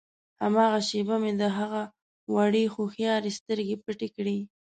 هماغه شېبه مې د هغه وړې هوښیارې سترګې پټې کړې.